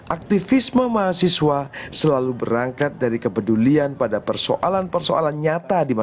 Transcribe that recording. aktivisme mahasiswa selalu berangkat dari kepedulian pada persoalan persoalan nyata